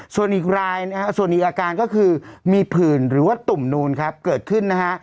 ส่วนอีกอาการก็คือมีผื่นหรือว่าตุ่มนูนครับเกิดขึ้นนะฮะ